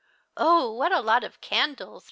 " Oh, what a lot of candles !